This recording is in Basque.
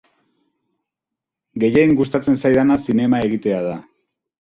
Gehien gustatzen zaidana zinema egitea da.